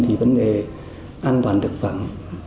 thì vấn đề an toàn thực phẩm